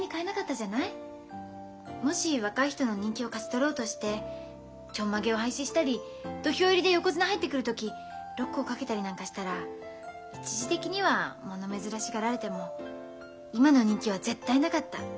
もし若い人の人気を勝ち取ろうとしてちょんまげを廃止したり土俵入りで横綱入ってくる時ロックをかけたりなんかしたら一時的には物珍しがられても今の人気は絶対なかった。